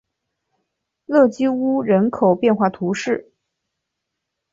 勒基乌人口变化图示